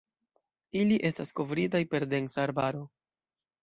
Ili estas kovritaj per densa arbaro.